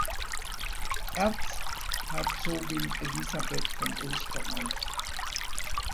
Erzherzogin Elisabeth von Österreich.